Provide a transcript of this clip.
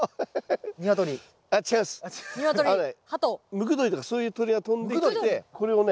ムクドリとかそういう鳥が飛んできてこれをね